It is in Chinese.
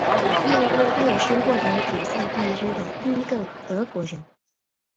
他也是获得主赛冠军的第一个德国人。